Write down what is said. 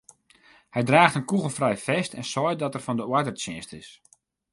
Hy draacht in kûgelfrij fest en seit dat er fan de oardertsjinst is.